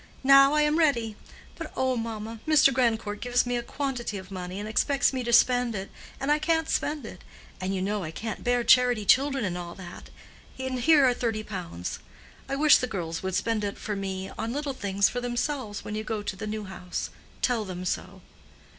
"Now I am ready; but oh, mamma, Mr. Grandcourt gives me a quantity of money, and expects me to spend it, and I can't spend it; and you know I can't bear charity children and all that; and here are thirty pounds. I wish the girls would spend it for me on little things for themselves when you go to the new house. Tell them so."